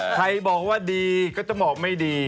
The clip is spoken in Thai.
ใครบอกว่าดีก็จะบอกไม่ดี